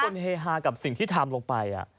เฮฮากับสิ่งที่ทำลงไป